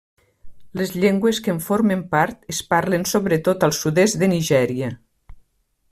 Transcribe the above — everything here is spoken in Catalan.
Les llengües que en formen part es parlen sobretot al sud-est de Nigèria.